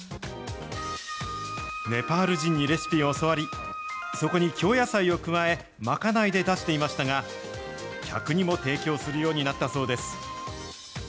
ネパール人にレシピを教わり、そこに京野菜を加え、賄いで出していましたが、客にも提供するようになったそうです。